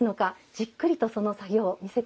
じっくりとその作業を見せて頂きましょう。